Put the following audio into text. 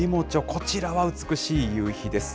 こちらは美しい夕日です。